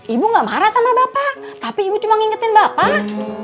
ibu gak marah sama bapak tapi ibu cuma ngingetin bapak